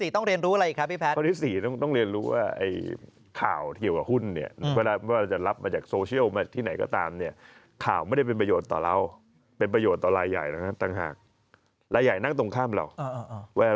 ทยอยส่องทยอยคัดเข้าพอร์ตแต่ถ้าพูดไปเยอะแล้ว